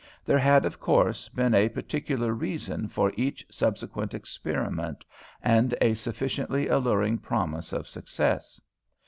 There had, of course, been a particular reason for each subsequent experiment, and a sufficiently alluring promise of success.